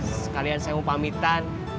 sekalian saya mau pamitan